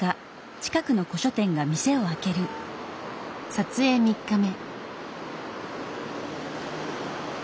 撮影３日目。